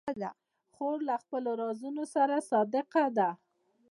خور له خپلو رازونو سره صادقه ده.